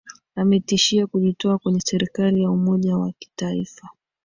ametishia kujitoa kwenye serikali ya umoja wa kitaifa